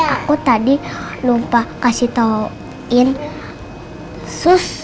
aku tadi lupa kasih tauin sus